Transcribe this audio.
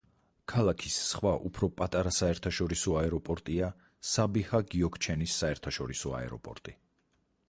ქალაქის სხვა, უფრო პატარა საერთაშორისო აეროპორტია საბიჰა გიოქჩენის საერთაშორისო აეროპორტი.